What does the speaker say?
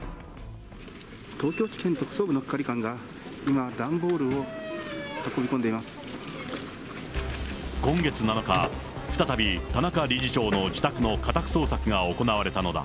東京地検特捜部の係官が今、今月７日、再び、田中理事長の自宅の家宅捜索が行われたのだ。